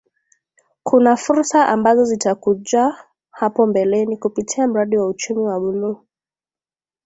Kuna fursa ambazo zitakujahapo mbeleni kupitia mradi wa Uchumi wa buluu